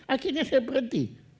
akhirnya saya berhenti